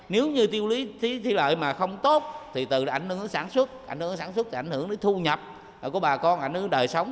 nếu như tiêu chí lợi mà không tốt thì tự ảnh hưởng đến sản xuất ảnh hưởng đến thu nhập của bà con ảnh hưởng đến đời sống